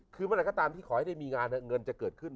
คือเมื่อไหร่ก็ตามที่ขอให้ได้มีงานเงินจะเกิดขึ้น